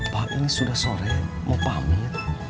tahap ini sudah sore mau pamit